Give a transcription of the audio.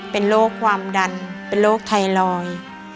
เป็นโรคความดันเป็นโรคไทรอยด์